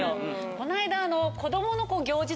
この間。